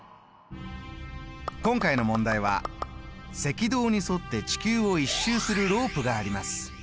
今回の問題は「赤道に沿って地球を１周するロープがあります。